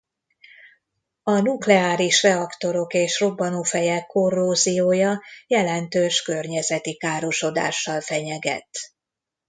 A nukleáris reaktorok és robbanófejek korróziója jelentős környezeti károsodással fenyeget.